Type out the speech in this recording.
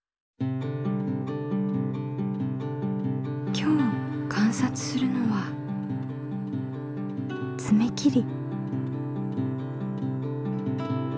今日観察するのはつめ切り。